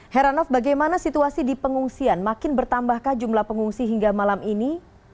heranov bagaimana situasi di pengungsian makin bertambahkah jumlah pengungsi hingga malam ini